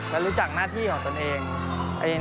และรู้จักหน้าที่ของตนเอง